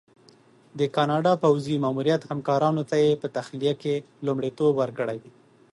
د کاناډا پوځي ماموریت همکارانو ته یې په تخلیه کې لومړیتوب ورکړی.